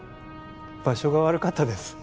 場所が悪かったです。